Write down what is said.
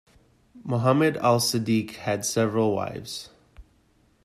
Muhammad as-Sadiq had several wives.